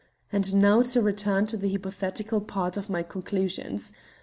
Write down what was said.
And now to return to the hypothetical part of my conclusions.